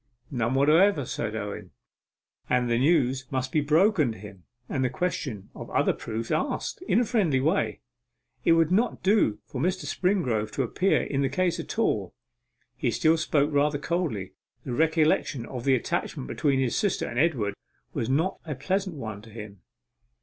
'None whatever,' said Owen; 'and the news must be broken to him, and the question of other proofs asked, in a friendly way. It would not do for Mr. Springrove to appear in the case at all.' He still spoke rather coldly; the recollection of the attachment between his sister and Edward was not a pleasant one to him.